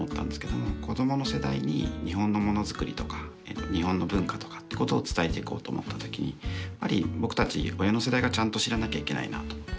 子供の世代に日本の物づくりとか日本の文化とかってことを伝えていこうと思ったときにやっぱり僕たち親の世代がちゃんと知らなきゃいけないなと思って。